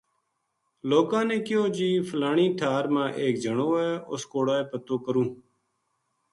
لوکاں نے کہیو جی فلانی ٹھار ما ایک جنو ہے اُس کوڑے پتو کروں